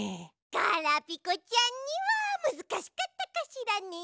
ガラピコちゃんにはむずかしかったかしらね？